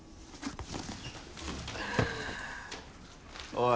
おい。